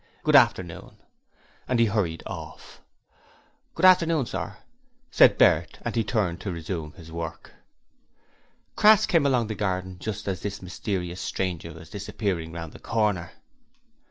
Good afternoon,' and he hurried off. 'Good afternoon, sir,' said Bert and he turned to resume his work. Crass came along the garden just as the mysterious stranger was disappearing round the corner.